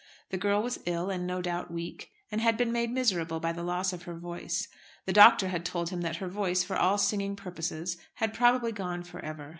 The girl was ill, and no doubt weak, and had been made miserable by the loss of her voice. The doctor had told him that her voice, for all singing purposes, had probably gone for ever.